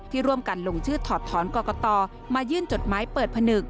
ที่ร่วมกันลงชื่อถอดถอนกรกตมายื่นจดหมายเปิดผนึก